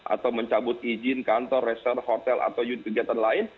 atau mencabut izin kantor hotel atau unit kegiatan lain